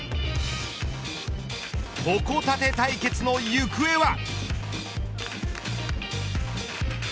ほこたて対決の行方は。